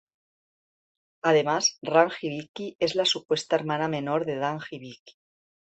Además Ran Hibiki es la supuesta hermana menor de Dan Hibiki.